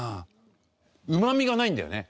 うまみがないんだよね。